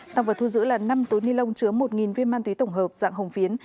tạm vật thu giữ là năm túi nhi lộc chứa một viên ma túy tổng hợp dạng hồng phiến